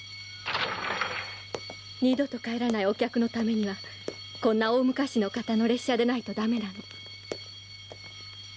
ニ度と帰らないお客のためにはこんな大昔の型の列車じゃないとだめなの。